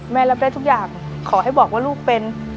รับได้ทุกอย่างขอให้บอกว่าลูกเป็น